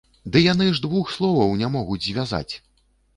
Ды яны ж двух словаў не могуць звязаць!